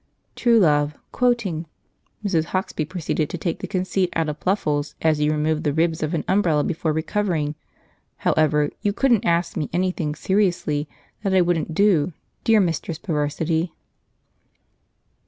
True Love (quoting). "'Mrs. Hauksbee proceeded to take the conceit out of Pluffles as you remove the ribs of an umbrella before re covering.' However, you couldn't ask me anything seriously that I wouldn't do, dear Mistress Perversity."